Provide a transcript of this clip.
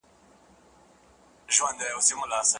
افغانستان زموږ وطن دئ.